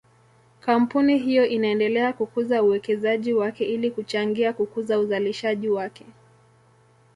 Kampuni hiyo inaendelea kukuza uwekezaji wake ili kuchangia kukuza uzalishaji wake.